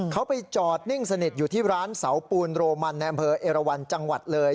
เขาไปจอดนิ่งสนิทอยู่ที่ร้านเสาปูนโรมันในอำเภอเอราวันจังหวัดเลย